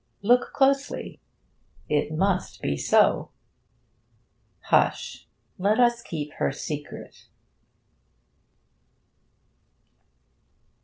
Look closely! It must be so... Hush! Let us keep her secret.